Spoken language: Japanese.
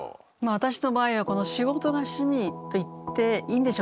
私の場合はこの仕事が趣味と言っていいんでしょうか。